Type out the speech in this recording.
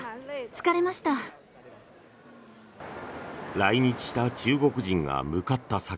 来日した中国人が向かった先。